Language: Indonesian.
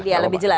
dia lebih jelas